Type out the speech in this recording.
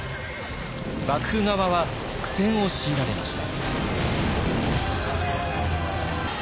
幕府側は苦戦を強いられました。